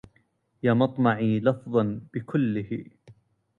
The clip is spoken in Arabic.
يا مطمعي لفظا بكله